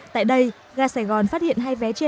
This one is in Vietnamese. tại đây ga sài gòn phát hiện hai vé trên